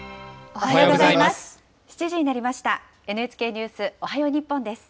おはようございます。